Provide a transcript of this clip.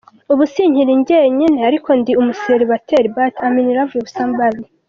Ubu sinkiri njyenyine ariko ndi umuseribateri but i ‘m in love with some body.